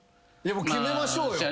決めましょうよ。